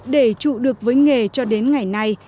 để trụ được với nghề cho đến ngày nay